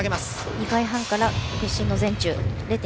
２回半から屈身の前宙。